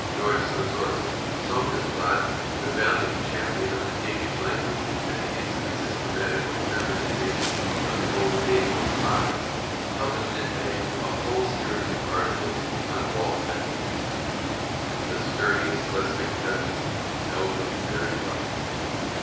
" Nordslesorgsk Sondagsblad," the valiant cham pion of the Danish language as against the systematical German isation of an old Danish province, published in May a whole series of articles on Walt Whitman. The sturdy Slesvic peasants know him very well.